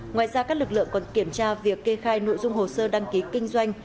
ngoài ra các lực lượng còn kiểm tra việc kê khai nội dung hồ sơ đăng ký kinh doanh